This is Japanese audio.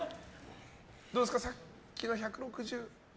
どうですか、さっきの１６０。